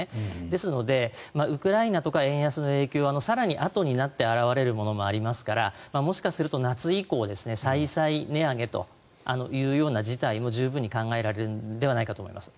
ですのでウクライナとか円安の影響は更にあとになって表れるものもありますからもしかすると夏以降再々値上げという事態も十分に考えられるのではないかと思います。